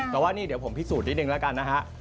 แต่ว่านี่เดี๋ยวผมพิสูจนนิดนึงแล้วกันนะฮะ